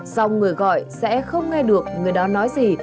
xong người gọi sẽ không nghe được người đó nói gì